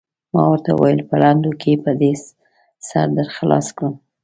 ما ورته وویل: په لنډو کې به دې سر در خلاص کړم.